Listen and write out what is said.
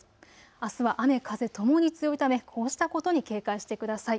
あすは雨風ともに強いためこうしたことに警戒してください。